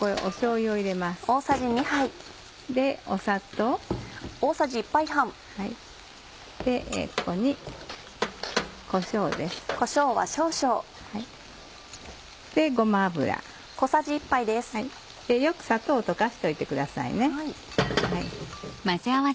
よく砂糖を溶かしておいてくださいね。